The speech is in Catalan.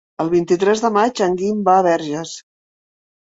El vint-i-tres de maig en Guim va a Verges.